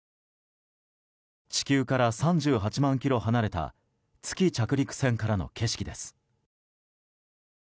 地球から３８万ｋｍ離れた月着陸船からの景色です。